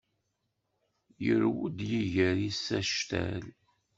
Yurew-d yiger-is actal.